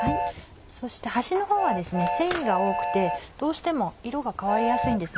そして端のほうは繊維が多くてどうしても色が変わりやすいんですね。